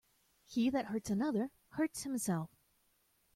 He that hurts another, hurts himself.